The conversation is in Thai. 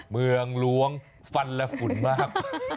เมืองล้วงฟันและฝุ่นมาก